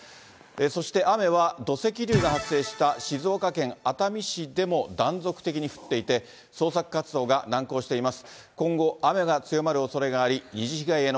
そして雨は土石流が発生した静岡県熱海市でも断続的に降っていて、捜索活動が難航しています。